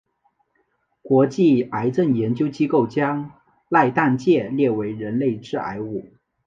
国际癌症研究机构将萘氮芥列为人类致癌物。